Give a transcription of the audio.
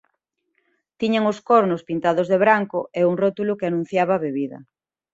Tiñan os cornos pintados de branco e un rótulo que anunciaba a bebida.